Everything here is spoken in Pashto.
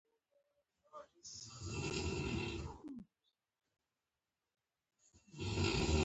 الوتکه د سیارچو څېړنه آسانوي.